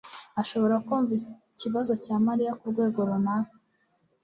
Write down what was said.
ashobora kumva ikibazo cya Mariya kurwego runaka.